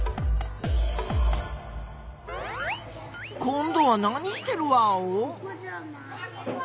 こんどは何してるワオ？